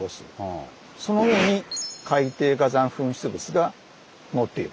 その上に海底火山噴出物がのっている。